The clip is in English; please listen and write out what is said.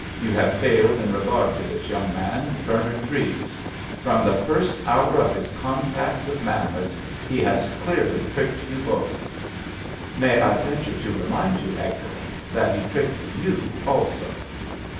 You have failed in regard to this young man, Bernard Treves. From the first hour of his contact with Manwitz he has clearly tricked you both!" "May I venture to remind you, Excellenz, that he tricked you also?"